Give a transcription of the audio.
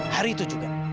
hari itu juga